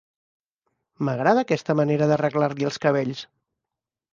M'agrada aquesta manera d'arreglar-li els cabells.